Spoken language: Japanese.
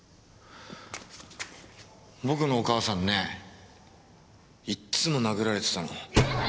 僕のお母さんねいっつも殴られてたの。